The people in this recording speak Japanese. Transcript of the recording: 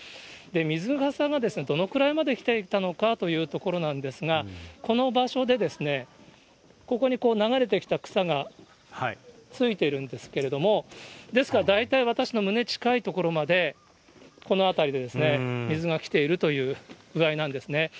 水かさがどれぐらいまで来ていたのかというところなんですが、この場所で、ここに流れてきた草がついているんですけれども、ですから大体、私の胸、近い所まで、この辺りですね、水が来ているという具合なんですね。